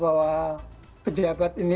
bahwa pejabat ini